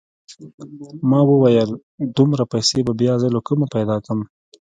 ما وويل دومره پيسې به بيا زه له کومه پيدا کم.